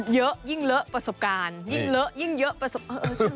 เยอะยิ่งเลอะประสบการณ์ยิ่งเลอะยิ่งเยอะประสบ